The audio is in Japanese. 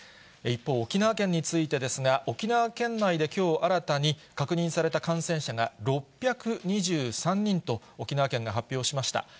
一方、沖縄県についてですが、沖縄県内できょう、新たに確認された感染者が６２３人と、沖縄県が発表しました。